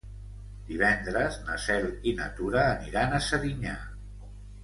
Divendres na Cel i na Tura aniran a Serinyà.